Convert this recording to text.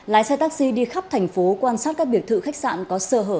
lái xe taxi đi khắp thành phố quan sát các biệt thự khách sạn có sơ hở